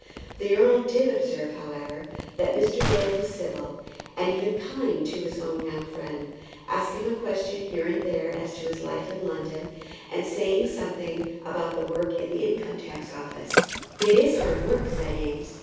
The earl did observe, however, that Mr. Dale was civil, and even kind, to his own young friend, asking a question here and there as to his life in London, and saying something about the work at the Income tax Office. "It is hard work," said Eames.